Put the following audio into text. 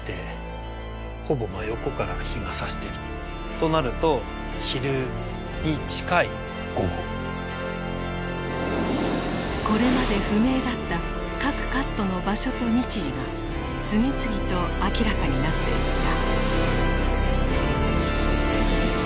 そう考えるとこれまで不明だった各カットの場所と日時が次々と明らかになっていった。